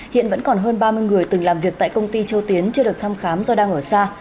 hiện vẫn còn hơn ba mươi người từng làm việc tại công ty châu tiến chưa được thăm khám do đang ở xa